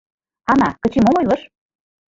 Ана, Кычий мом ойлыш?